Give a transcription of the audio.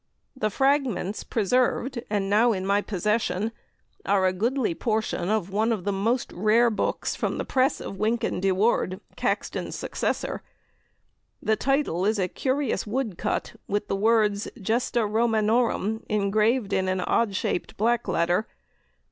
The fragments preserved, and now in my possession, are a goodly portion of one of the most rare books from the press of Wynkyn de Worde, Caxton's successor. The title is a curious woodcut with the words "Gesta Romanorum" engraved in an odd shaped black letter.